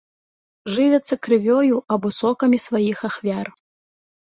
Жывяцца крывёю або сокамі сваіх ахвяр.